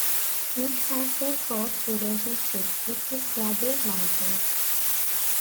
Nick has a fraught relationship with his brother, Michael.